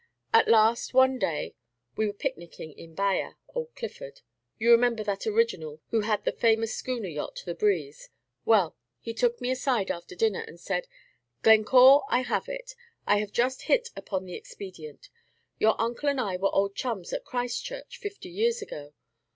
At last, one day, we were picnicking at Baia, Old Clifford, you remember that original who had the famous schooner yacht 'The Breeze,' well, he took me aside after dinner, and said, 'Glencore, I have it, I have just hit upon the expedient. Your uncle and I were old chums at Christ Church fifty years ago.